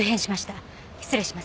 失礼します。